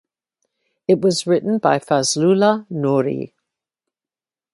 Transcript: It was written by Fazlullah Nuri.